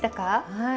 はい。